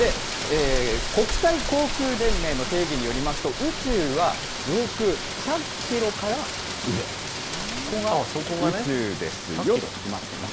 国際航空連盟の定義によりますと、宇宙は上空１００キロから上、ここが宇宙ですよと決まっています。